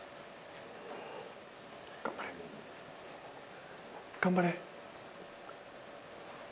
頑張れ頑張れ。